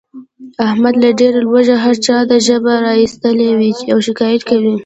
احمد له ډېر لوږې هر چاته ژبه را ایستلې وي او شکایت کوي.